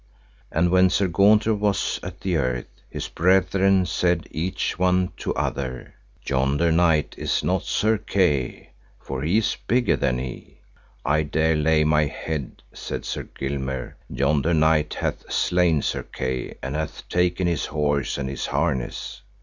And when Sir Gaunter was at the earth his brethren said each one to other, Yonder knight is not Sir Kay, for he is bigger than he. I dare lay my head, said Sir Gilmere, yonder knight hath slain Sir Kay and hath taken his horse and his harness.